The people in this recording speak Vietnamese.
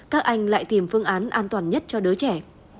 các anh lại tìm phương án an toàn nhất cho đứa trẻ